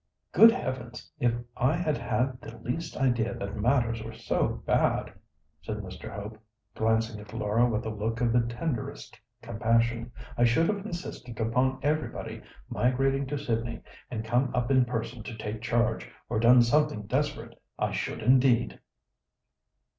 "Good heavens, if I had had the least idea that matters were so bad," said Mr. Hope, glancing at Laura with a look of the tenderest compassion, "I should have insisted upon everybody migrating to Sydney, and come up in person to take charge, or done something desperate. I should indeed."